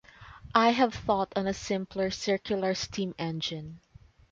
I have thought on a simpler circular steam-engine.